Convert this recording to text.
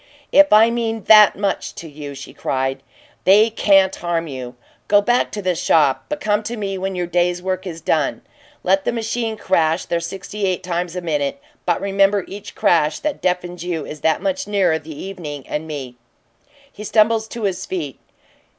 "If I mean THAT much to you," she cried, "they can't harm you! Go back to the shop but come to me when your day's work is done. Let the machines crash their sixty eight times a minute, but remember each crash that deafens you is that much nearer the evening and me!" He stumbled to his feet.